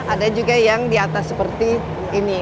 ada juga yang di atas seperti ini